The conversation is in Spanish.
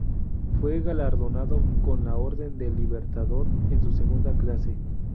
Fue galardonado con la Orden del Libertador en su segunda clase.